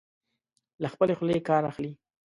له خپلې خولې کار اخلي.